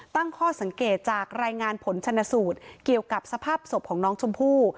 ตั้งข้อสังเกตจากรายงานผลชนสูตรเกี่ยวกับสภาพศพของน้องชมพู่